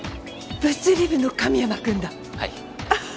物理部の神山くんだはい